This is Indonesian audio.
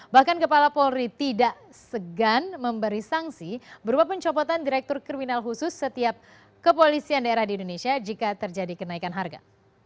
bahkan kepala polri tidak segan memberi sanksi berupa pencopotan direktur kriminal khusus setiap kepolisian daerah di indonesia jika terjadi kenaikan harga